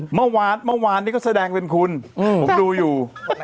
เมื่อวานนี้ก็แสดงเป็นคุณผมดูอยู่